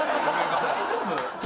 大丈夫？